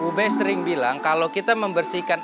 ube sering bilang kalau kita membersihkan